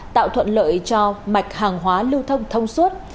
tạo thuận lợi cho mạch hàng hóa lưu thông thông suốt